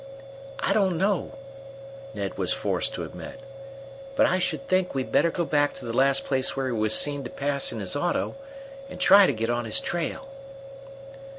"I don't know," Ned was forced to admit. "But I should think we'd better go back to the last place where he was seen to pass in his auto, and try to get on his trail."